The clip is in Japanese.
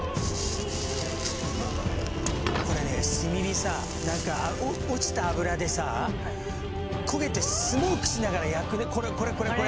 これね炭火さ落ちたあぶらでさ焦げてスモークしながら焼くこれこれこれこれ！